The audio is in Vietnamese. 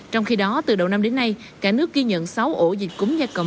trong khi đó từ đầu năm đến nay cả nước ghi nhận sáu ổ dịch cúm da cầm